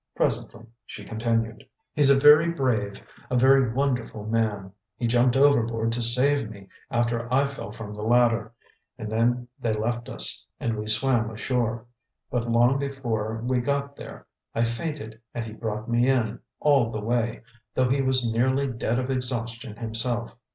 Presently she continued: "He's a very brave, a very wonderful man. He jumped overboard to save me, after I fell from the ladder; and then they left us and we swam ashore. But long before we got there I fainted, and he brought me in, all the way, though he was nearly dead of exhaustion himself.